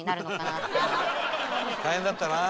「大変だったな」